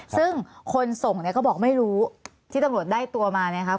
ซึ่งคนส่งเนี่ยก็บอกไม่รู้ที่ตำรวจได้ตัวมาเนี่ยครับ